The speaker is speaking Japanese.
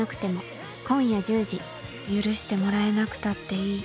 許してもらえなくたっていい。